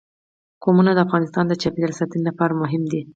قومونه د افغانستان د چاپیریال ساتنې لپاره مهم دي.